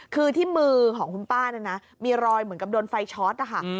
คือที่มือของคุณป้าเนี่ยนะมีรอยเหมือนกับโดนไฟช็อตนะคะ